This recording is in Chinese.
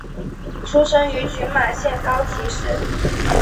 出身于群马县高崎市。